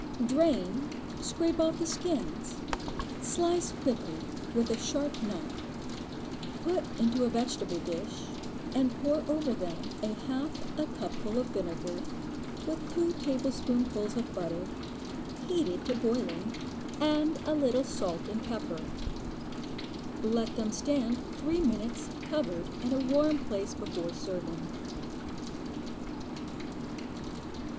Drain, scrape off the skins, slice quickly with a sharp knife; put into a vegetable dish, and pour over them a half a cupful of vinegar, with two tablespoonfuls of butter, heated to boiling, and a little salt and pepper. Let them stand three minutes covered in a warm place before serving.